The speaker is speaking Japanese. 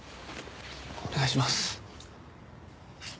お願いします。